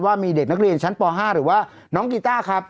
ว่ามีเด็กนักเรียนชั้นป๕หรือว่าน้องกีต้าครับ